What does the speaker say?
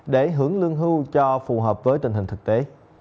để hưởng lương hưu cho phù hợp với tình hình thực tế